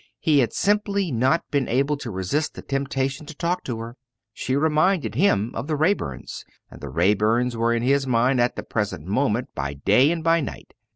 He had simply not been able to resist the temptation to talk to her. She reminded him of the Raeburns, and the Raeburns were in his mind at the present moment by day and by night.